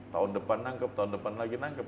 tahun depan nangkep tahun depan lagi nangkep